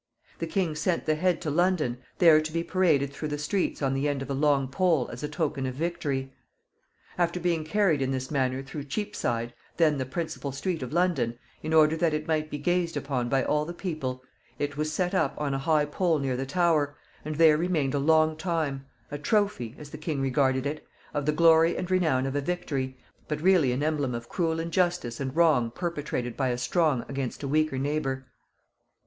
The king sent the head to London, there to be paraded through the streets on the end of a long pole as a token of victory. After being carried in this manner through Cheapside then the principal street of London in order that it might be gazed upon by all the people, it was set up on a high pole near the Tower, and there remained a long time, a trophy, as the king regarded it, of the glory and renown of a victory, but really an emblem of cruel injustice and wrong perpetrated by a strong against a weaker neighbor.